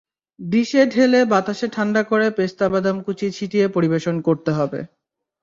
ডিশে ঢেলে বাতাসে ঠান্ডা করে পেস্তাবাদাম কুচি ছিটিয়ে পরিবেশন করতে হবে।